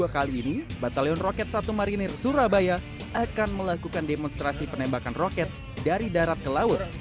kali ini batalion roket satu marinir surabaya akan melakukan demonstrasi penembakan roket dari darat ke laut